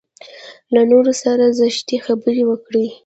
له نورو سره زشتې خبرې وکړي.